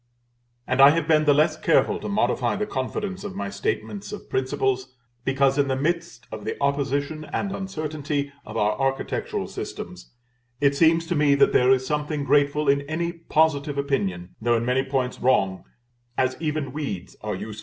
And I have been the less careful to modify the confidence of my statements of principles, because in the midst of the opposition and uncertainty of our architectural systems, it seems to me that there is something grateful in any positive opinion, though in many points wrong, as even weeds are useful that grow on a bank of sand.